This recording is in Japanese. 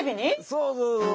そうそうそう。